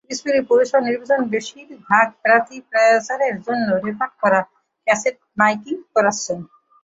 পিরোজপুর পৌরসভা নির্বাচনে বেশির ভাগ প্রার্থী প্রচারের জন্য রেকর্ড করা ক্যাসেটে মাইকিং করাচ্ছেন।